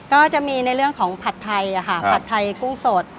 ก็จะมีในเรื่องของผัดไทยคุ้งสด